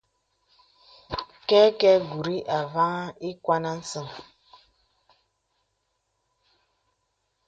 Kɛkɛgùrì a faŋaŋ ìkwàn à səŋ.